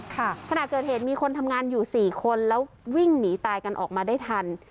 ขณะเกิดเหตุมีคนทำงานอยู่สี่คนแล้ววิ่งหนีตายกันออกมาได้ทัน